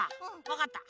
わかった。